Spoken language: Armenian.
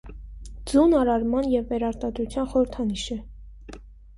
Ձուն արարման և վերարտադրության խորհրդանիշ է։